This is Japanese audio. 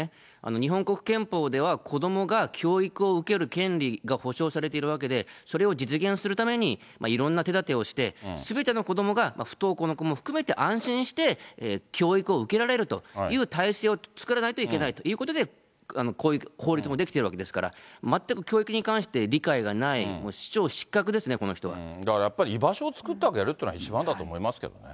日本国憲法では子どもが教育を受ける権利が保障されているわけで、それを実現するためにいろんな手だてをして、すべての子どもが不登校の子も含めて、安心して、教育を受けられるという体制を作らないといけないということで、こういう法律も出来てるわけですから、全く教育に関して理解がなだからやっぱり、居場所を作ってあげるというのは一番だと思いますけどね。